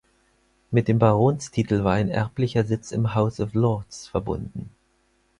Mit dem Baronstitel war ein erblicher Sitz im House of Lords verbunden.